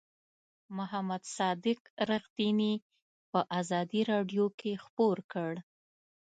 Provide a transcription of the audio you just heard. محمد صادق رښتیني په آزادۍ رادیو کې خپور کړ.